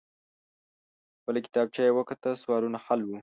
بله کتابچه يې وکته. سوالونه حل وو.